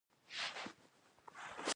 ناڅاپه جال یو ځل بیا ټکانونه وخوړل.